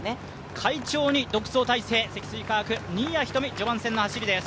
快調に独走態勢、積水化学、新谷仁美、序盤戦の走りです。